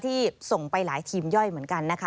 ที่ส่งไปหลายทีมย่อยเหมือนกันนะคะ